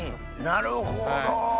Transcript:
なるほど！